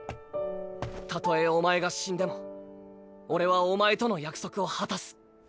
たとえお前が死んでも俺はお前との約束を果たす。